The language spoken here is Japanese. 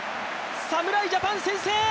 侍ジャパン先制！